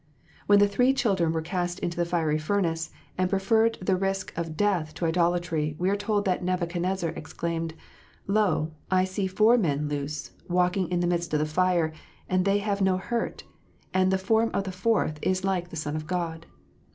When the three children were cast into the fiery furnace, and preferred the risk of death to idolatry, we are told that Nebuchadnezzar exclaimed, " Lo, I see four men loose, walking in the midst of the fire, and they have no hurt ; and the form of the fourth is like the Son of God."